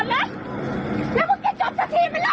โดดมาโดดมา